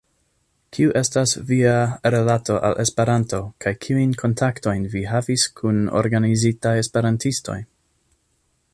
Kiu estas via rilato al Esperanto kaj kiujn kontaktojn vi havis kun organizitaj esperantistoj?